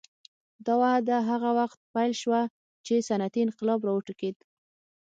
دا وده هغه وخت پیل شوه چې صنعتي انقلاب راوټوکېد.